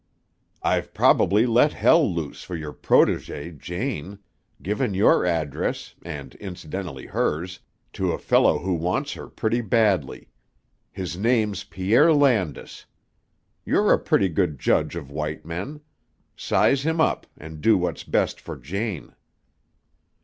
"I've probably let hell loose for your protégée, Jane; given your address, and incidentally hers, to a fellow who wants her pretty badly. His name's Pierre Landis. You're a pretty good judge of white men. Size him up and do what's best for Jane."